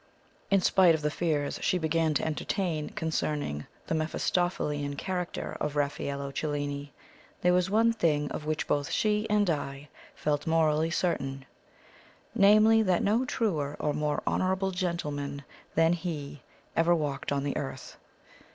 In spite of the fears she began to entertain concerning the Mephistophelian character of Raffaello Cellini, there was one thing of which both she and I felt morally certain: namely, that no truer or more honourable gentleman than he ever walked on the earth.